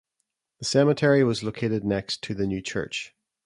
The cemetery was located next to the new church.